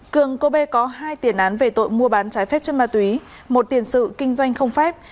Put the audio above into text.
cường cô bê có hai tiền án về tội mua bán trái phép chất ma túy một tiền sự kinh doanh không phép